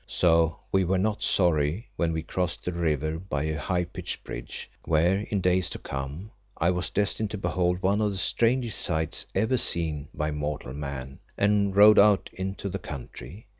So we were not sorry when we crossed the river by a high pitched bridge, where in days to come I was destined to behold one of the strangest sights ever seen by mortal man, and rode out into the country.